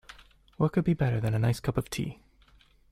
What could be better than a nice cup of tea?